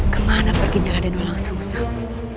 kemana pergi nyala dan langsung sama